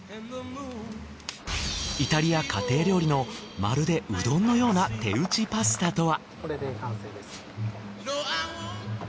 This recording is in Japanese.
イタリア家庭料理のまるでうどんのような手打ちパスタとは？